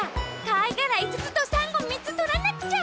かいがらいつつとさんごみっつとらなくちゃ！